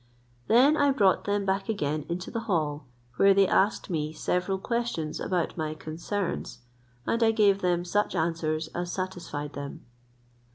Then I brought them back again into the hall, where they asked me several questions about my concerns; and I gave them such answers as satisfied them.